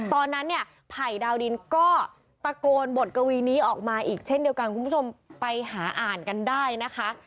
ตอนนั้นเนี่ยไผ่ดาวดินก็ตะโกนบทกวีนี้ออกมาอีกเช่นเดียวกันคุณผู้ชมไปหาอ่านกันได้นะคะ